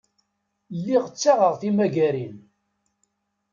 Lliɣ ttaɣeɣ timagarin.